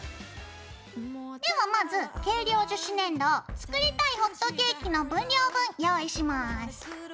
ではまず軽量樹脂粘土を作りたいホットケーキの分量分用意します。